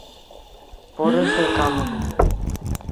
Пӑрӑхӗ камӑн?